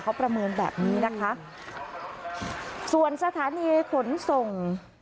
เขาประเมินแบบนี้นะคะส่วนสถานีขนส่ง